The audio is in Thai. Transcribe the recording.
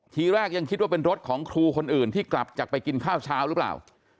ทีแรกยังคิดว่าเป็นรถของครูคนอื่นที่กลับจากไปกินข้าวเช้าหรือเปล่า